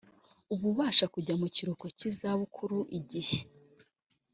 ububasha kujya mu kiruhuko cy izabukuru igihe